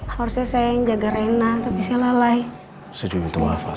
harusnya saya yang jaga rina tapi saya lalai